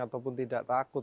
ataupun tidak takut